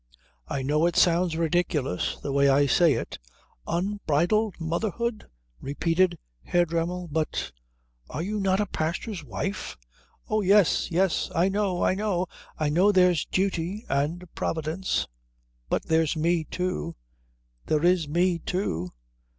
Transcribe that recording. I know it sounds ridiculous, the way I say it " "Unbridled motherhood?" repeated Herr Dremmel. "But are you not a pastor's wife?" "Oh, yes, yes I know, I know. I know there's Duty and Providence, but there's me, too there is me, too.